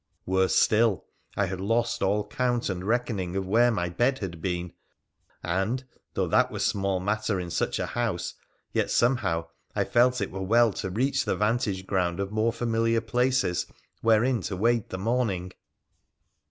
Worse still, I had lost all count and reckoning of where my bed had been, and, though that were small matter in such a house, yet somehow I felt it were well to reach the vantage ground of more familiar places wherein to wait the morning.